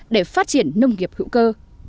để phát triển nông nghiệp hữu cơ